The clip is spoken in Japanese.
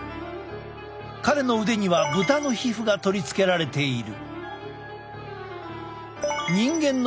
彼の腕にはぶたの皮膚が取り付けられている。